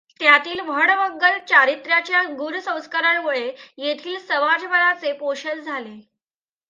त्यातील महन्मंगल चारित्र्याच्या गुण संस्कारामुळे येथील समाजमनाचे पोषण झाले.